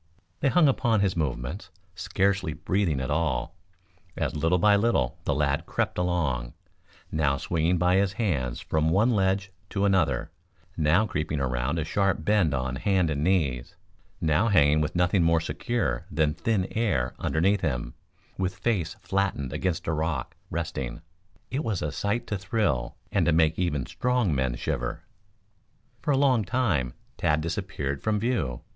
They hung upon his movements, scarcely breathing at all, as little by little the lad crept along, now swinging by his hands from one ledge to another, now creeping around a sharp bend on hand and knees, now hanging with nothing more secure than thin air underneath him, with face flattened against a rock, resting. It was a sight to thrill and to make even strong men shiver. For a long time Tad disappeared from view.